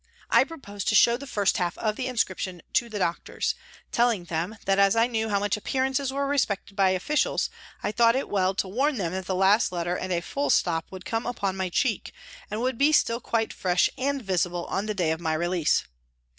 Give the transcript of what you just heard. I proposed to show the first half of the inscription to the doctors, telling them that as I knew how much appearances were respected by officials, I thought it well to warn them that the last letter and a full stop would come upon my cheek, and be still quite fresh and visible on the day of my release.